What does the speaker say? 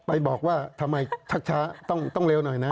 ไปบอกว่าทำไมช้าต้องเร็วหน่อยนะ